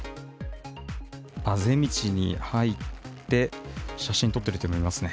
あぜ道に入って写真撮ってる人もいますね。